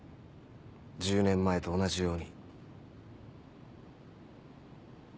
１０年前と同じように。